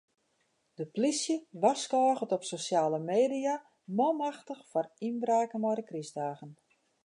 De plysje warskôget op sosjale media manmachtich foar ynbraken mei de krystdagen.